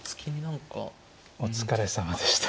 お疲れさまでした。